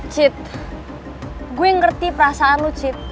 cid gua yang ngerti perasaan lu cid